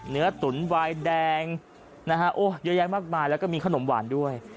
ตุ๋นวายแดงนะฮะโอ้เยอะแยะมากมายแล้วก็มีขนมหวานด้วย